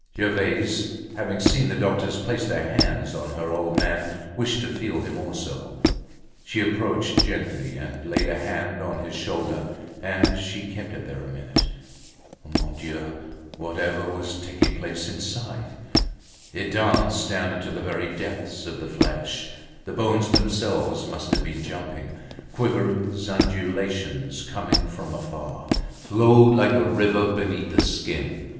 Gervaise having seen the doctors place their hands on her old man, wished to feel him also. She approached gently and laid a hand on his shoulder, and she kept it there a minute. Mon Dieu! whatever was taking place inside? It danced down into the very depths of the flesh, the bones themselves must have been jumping. Quiverings, undulations, coming from afar, flowed like a river beneath the skin.